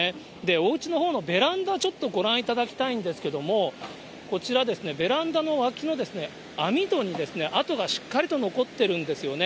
おうちのほうのベランダ、ちょっとご覧いただきたいんですけれども、こちら、ベランダの脇のですね、網戸に跡がしっかりと残ってるんですよね。